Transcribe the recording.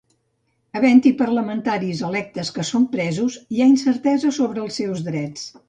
Havent-hi parlamentaris electes que són presos, hi ha incertesa sobre els seus drets.